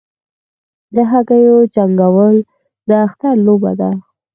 د هګیو جنګول د اختر لوبه ده.